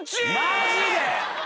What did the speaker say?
マジで！？